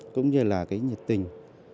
cũng như là cái nhiệt tình